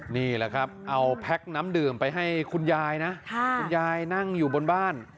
นี่แหละครับเอาแพ็คน้ำดื่มไปให้คุณยายนะคุณยายนั่งอยู่บนบ้าน